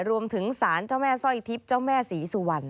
รวมถึงสารเจ้าแม่สร้อยทิพย์เจ้าแม่ศรีสุวรรณ